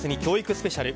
スペシャル